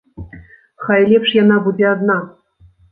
Хай лепш яна будзе адна.